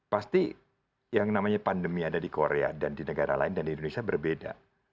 pasti yang namanya pandemi ada di korea dan di negara lain dan di indonesia berbeda